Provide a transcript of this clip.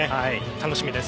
楽しみです。